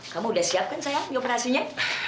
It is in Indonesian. kamu udah siap kan sayang di operasinya